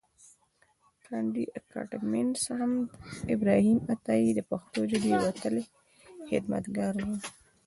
کاندي اکاډميسنمحمد ابراهیم عطایي د پښتو ژبې وتلی خدمتګار و.